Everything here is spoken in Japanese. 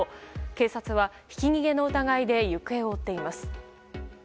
警察はひき逃げの疑いで行方を追っています。